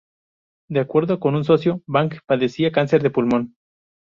De acuerdo con un socio, Bang padecía de cáncer de pulmón.